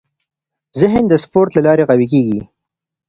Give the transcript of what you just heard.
ذهن د سپورت له لارې قوي کېږي.